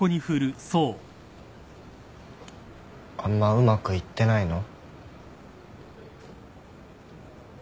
あんまうまくいってないの？